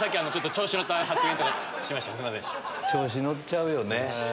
調子に乗っちゃうよね。